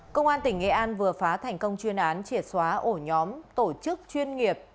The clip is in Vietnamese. công an tỉnh nghệ an vừa phá thành công chuyên án triệt xóa ổ nhóm tổ chức chuyên nghiệp